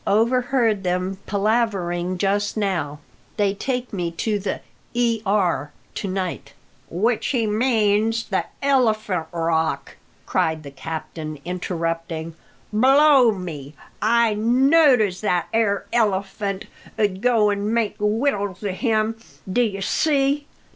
Overheard them palavering just now. They take me to the E. R. to night '" "Which he means the Elephant Rock!" cried the captain, interrupting. "Blow me! I knowed as that 'ere Elephant 'ud go an' make wittles of him, d'ye see?"